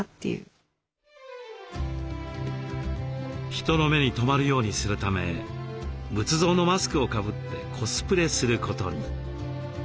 人の目に留まるようにするため仏像のマスクをかぶってコスプレすることに。